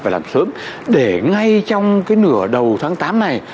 phải làm sớm để ngay trong cái nửa đầu tháng tám này